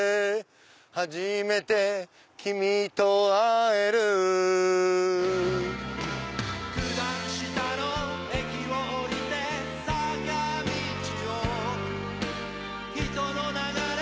初めて君と会える九段下の駅をおりて坂道を人の流れ